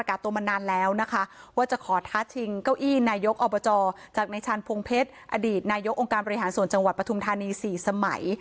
เก้าอี้นายกอบจจากนายชาญพวงเพชรอดีตนายกองการบริหารส่วนจังหวัดปทุมธานี๔สมัย